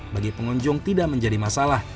bagi pengunjung tidak menjadi masalah